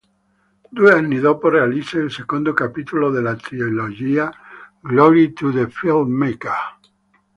Due anni dopo realizza il secondo capitolo della trilogia: "Glory to the Filmmaker!